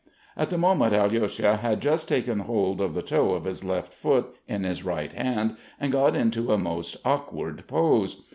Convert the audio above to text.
At the moment Alyosha had just taken hold of the toe of his left foot in his right hand and got into a most awkward pose.